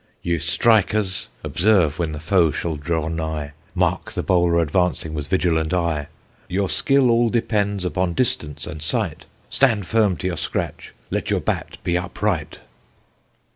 Ye strikers, observe when the foe shall draw nigh, Mark the bowler advancing with vigilant eye: Your skill all depends upon distance and sight, Stand firm to your scratch, let your bat be upright.